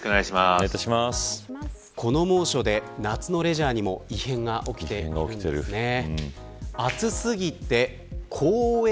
この猛暑で夏のレジャーにも異変が起きているんですね。